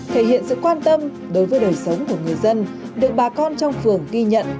thể hiện sự quan tâm đối với đời sống của người dân được bà con trong phường ghi nhận